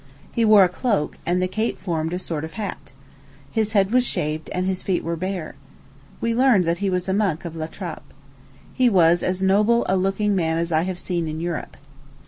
He wore a cloak, and the cape formed a sort of hat. His head was shaved, and his feet were bare. We learnt that he was a monk of La Trappe. He was as noble a looking man as I have seen in Europe.